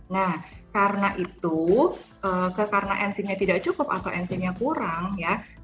nah karena itu karena enzimnya tidak cukup atau enzimnya kurang ya